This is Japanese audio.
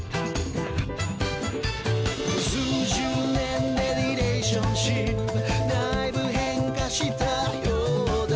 「数十年でリレーションシップ」「だいぶ変化したようだ」